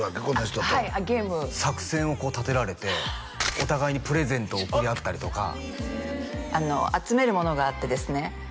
この人とはいゲーム作戦を立てられてお互いにプレゼントを贈りあったりとかあの集めるものがあってですね